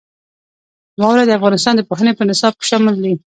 واوره د افغانستان د پوهنې په نصاب کې شامل دي.